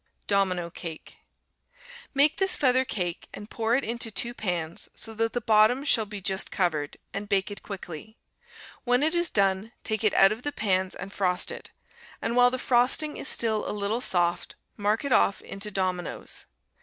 Domino Cake Make this feather cake and pour it into two pans, so that the bottom shall be just covered, and bake it quickly. When it is done, take it out of the pans and frost it, and while the frosting is still a little soft, mark it off into dominoes.